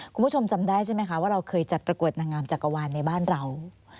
คุณผู้ชมจำได้ใช่ไหมคะว่าเราเคยจัดประกวดนางงามจักรวาลในบ้านเรา